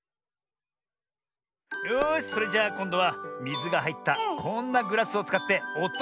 よしそれじゃあこんどはみずがはいったこんなグラスをつかっておとをだしてみよう。